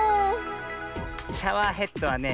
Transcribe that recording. シャワーヘッドはねえ